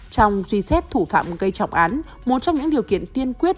trong truy xét thủ phạm gây trọng án một trong những điều kiện tiên quyết